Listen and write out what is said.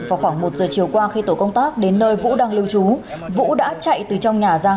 vào khoảng một giờ chiều qua khi tổ công tác đến nơi vũ đang lưu trú vũ đã chạy từ trong nhà ra